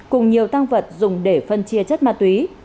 cùng nhiều tăng vật dùng để phân chia chất ma túy